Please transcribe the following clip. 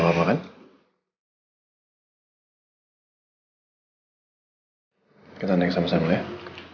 kalau kamu jalan sendiri jatuh lagi gimana